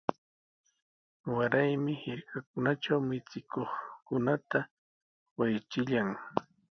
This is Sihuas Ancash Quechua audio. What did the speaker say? Wayrami hirkakunatraw michikuqkunata waychillan.